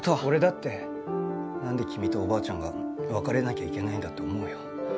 俺だってなんで君とおばあちゃんが別れなきゃいけないんだって思うよ。